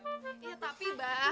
ya tapi ba